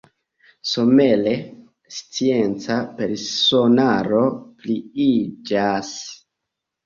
Somere scienca personaro pliiĝas.